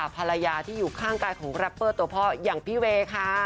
คุณแม่นาที่อยู่ข้างกายของรัปเปอร์ตัวพ่อย่างพี่เวค่ะ